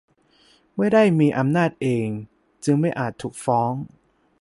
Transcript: ไม่ได้มีอำนาจเอง จึงไม่อาจถูกฟ้อง